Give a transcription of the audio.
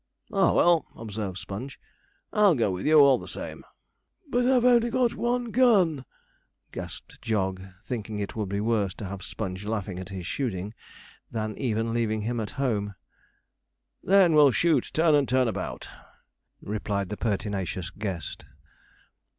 'Ah, well,' observed Sponge, 'I'll go with you, all the same.' 'But I've only got one gun,' gasped Jog, thinking it would be worse to have Sponge laughing at his shooting than even leaving him at home. 'Then, we'll shoot turn and turn about,' replied the pertinacious guest.